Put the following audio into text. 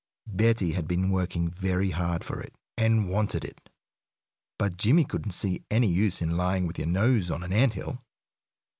Betty had been working very hard for it, and wanted it. But Jimmie couldn't see any use in lying with your nose on an ant hill.